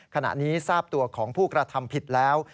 ขณะนี้ทราบตัวของผู้กระทำผิดแล้ว